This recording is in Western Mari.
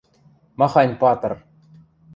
Махань патыр!